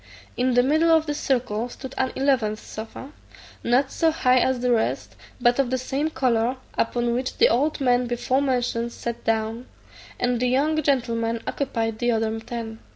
In the middle of this circle stood an eleventh sofa, not so high as the rest, but of the same colour, upon which the old man before mentioned sat down, and the young gentlemen occupied the other ten.